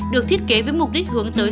được thiết kế với mục đích hướng tới